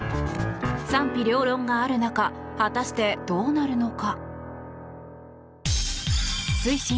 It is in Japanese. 賛否両論がある中果たして、どうなるのか。